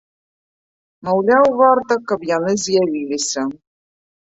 Маўляў, варта, каб яны з'явіліся.